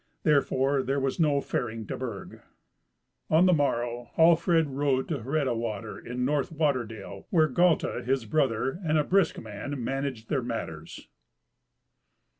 Therefore there was no faring to Burg. On the morrow Hallfred rode to Hreda water, in North water dale, where Galti, his brother and a brisk man, managed their matters.